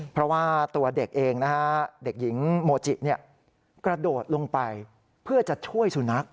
เพราะว่าตัวเด็กเองนะฮะเด็กหญิงโมจิกระโดดลงไปเพื่อจะช่วยสุนัข